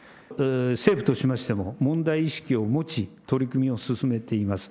政府としましても、問題意識を持ち、取り組みを進めております。